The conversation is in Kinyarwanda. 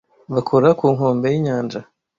Bakora ku nkombe y'inyanja.